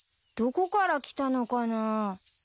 どこから来たのかな？